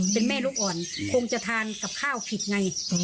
เป็นแม่ลูกอ่อนคงจะทานกับข้าวผิดไง